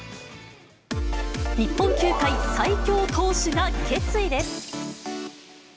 日本球界最高投手が決意です。